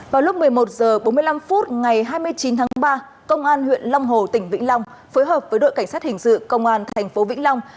vào lúc một mươi một h bốn mươi năm phút ngày hai mươi chín tháng ba công an huyện long hồ tỉnh vĩnh long phối hợp với đội cảnh sát hình sự công an tp vĩnh long